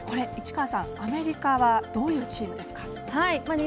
市川さん、アメリカはどういうチームですか？